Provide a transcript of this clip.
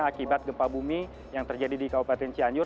akibat gempa bumi yang terjadi di kabupaten cianjur